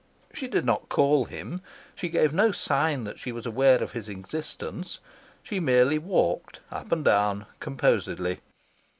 She did not call him; she gave no sign that she was aware of his existence; she merely walked up and down composedly.